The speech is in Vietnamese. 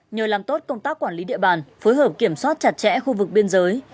nhờ làm tốt công tác quản lý địa bàn phối hợp kiểm soát chặt chẽ khu vực biên giới